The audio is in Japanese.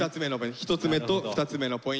１つ目と２つ目のポイント。